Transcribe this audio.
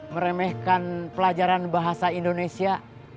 meremehkan pelajaran bahasa indonesia